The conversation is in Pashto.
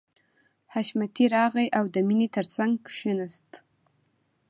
حشمتي راغی او د مینې تر څنګ کښېناست